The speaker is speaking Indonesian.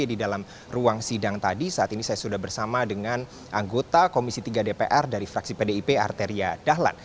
di dalam ruang sidang tadi saat ini saya sudah bersama dengan anggota komisi tiga dpr dari fraksi pdip arteria dahlan